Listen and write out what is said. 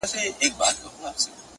شمع به واخلي فاتحه د جهاني د نظم!!